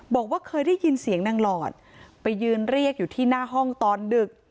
บอกว่าเคยได้ยินเสียงนางหลอดไปยืนเรียกอยู่ที่หน้าห้องตอนดึก